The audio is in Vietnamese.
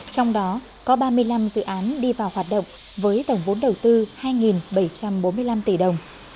trong đó có ba mươi năm dự án đi vào hoạt động với tổng vốn đầu tư hai bảy trăm bốn mươi năm tỷ đồng